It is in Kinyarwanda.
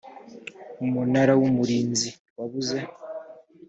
umunara w umurinzi wabuze